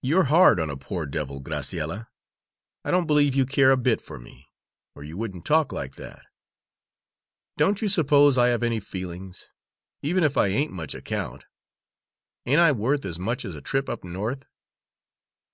"You're hard on a poor devil, Graciella. I don't believe you care a bit for me, or you wouldn't talk like that. Don't you suppose I have any feelings, even if I ain't much account? Ain't I worth as much as a trip up North?"